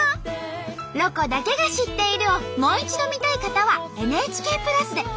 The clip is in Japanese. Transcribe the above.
「ロコだけが知っている」をもう一度見たい方はＮＨＫプラスで。